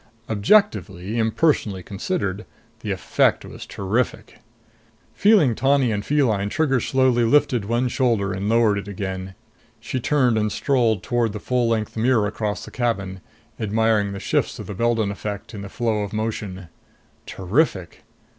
Objectively, impersonally considered, the effect was terrific. Feeling tawny and feline, Trigger slowly lifted one shoulder and lowered it again. She turned and strolled toward the full length mirror across the cabin, admiring the shifts of the Beldon effect in the flow of motion. Terrific!